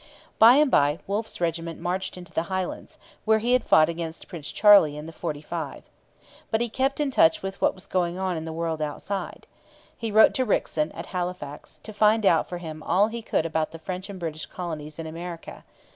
By and by Wolfe's regiment marched into the Highlands, where he had fought against Prince Charlie in the '45. But he kept in touch with what was going on in the world outside. He wrote to Rickson at Halifax, to find out for him all he could about the French and British colonies in America.